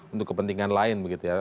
untuk kepentingan lain begitu ya